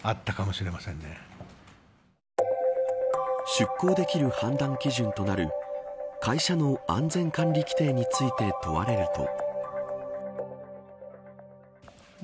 出航できる判断基準となる会社の安全管理規定について問われると。